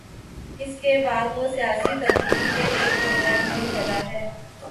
اس کے بعد وہ سیاسی تبدیلی کے ایک پروگرام میں ڈھلا ہے۔